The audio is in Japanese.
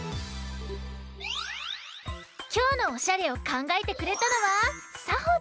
きょうのオシャレをかんがえてくれたのはさほちゃん！